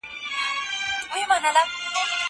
زه پرون تکړښت کوم!!